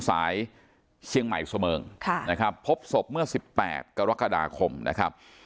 สายเชียงใหม่บุษเมิงนะครับพบสบเมื่อสิบแปดกรกฎาคมนะครับ